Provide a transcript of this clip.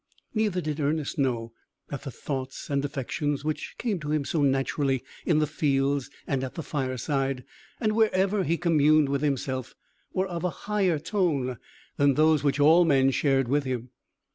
Neither did Ernest know that the thoughts and affections which came to him so naturally, in the fields and at the fireside, and wherever he communed with himself, were of a higher tone than those which all men shared with him.